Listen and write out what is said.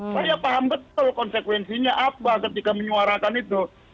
saya paham betul konsekuensinya apa ketika menyuarakan itu